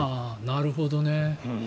なるほどね。